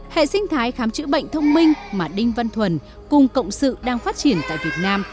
hệ sinh thái khám chữa bệnh thông minh mà đinh văn thuần cùng cộng sự đang phát triển tại việt nam